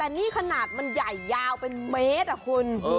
อันนี้ขนาดมันใหญ่ยาวไปเมตรอ่ะคุณ